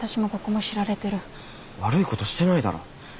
悪いことしてないだろ。